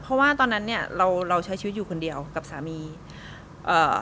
เพราะว่าตอนนั้นเนี้ยเราเราใช้ชีวิตอยู่คนเดียวกับสามีเอ่อ